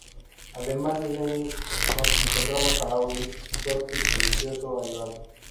Además de Johnny, nos encontramos a Audie, su torpe y codicioso ayudante.